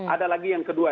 ada lagi yang kedua